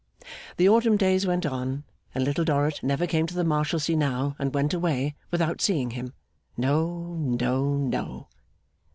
The autumn days went on, and Little Dorrit never came to the Marshalsea now and went away without seeing him. No, no, no.